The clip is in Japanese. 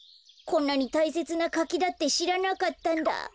こんなにたいせつなかきだってしらなかったんだ。